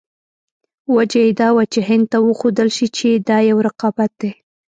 وجه یې دا وه چې هند ته وښودل شي چې دا یو رقابت دی.